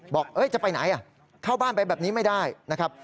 บอกจะไปไหนเข้าบ้านไปแบบนี้ไม่ได้นะครับ